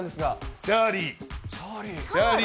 チャーリー。